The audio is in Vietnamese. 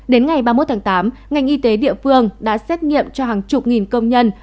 đến ngày ba mươi một tháng tám ngành y tế địa phương đã xét nghiệm cho hàng chục nghìn công nhân